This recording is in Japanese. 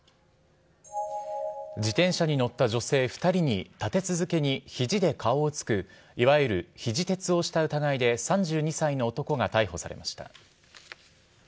自転車に乗った女性２人に立て続けにひじで顔を突く、いわゆるひじ鉄をした疑いで、３２歳の男が逮捕されました。